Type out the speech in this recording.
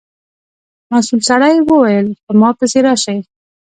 مسؤل سړي و ویل په ما پسې راشئ.